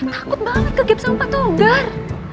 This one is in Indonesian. takut banget ke gipsang pak togar